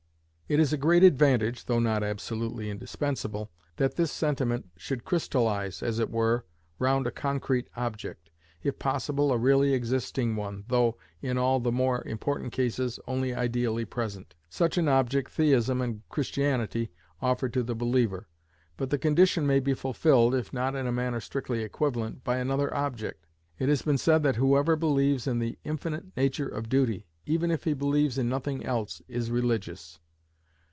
It is a great advantage (though not absolutely indispensable) that this sentiment should crystallize, as it were, round a concrete object; if possible a really existing one, though, in all the more important cases, only ideally present. Such an object Theism and Christianity offer to the believer: but the condition may be fulfilled, if not in a manner strictly equivalent, by another object. It has been said that whoever believes in "the Infinite nature of Duty," even if he believe in nothing else, is religious.